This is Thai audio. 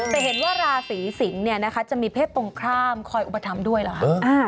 แต่เห็นว่าราศีสิงศ์เนี่ยนะคะจะมีเพศตรงข้ามคอยอุปถัมภ์ด้วยเหรอคะ